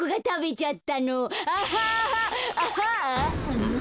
うん。